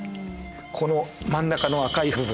この真ん中の赤い部分。